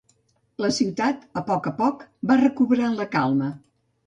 La ciutat a poc a poc va recobrant la calma.